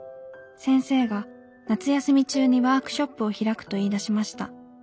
先生が夏休み中にワークショップを開くと言い出しました。